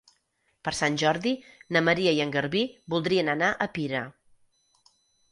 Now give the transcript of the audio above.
Per Sant Jordi na Maria i en Garbí voldrien anar a Pira.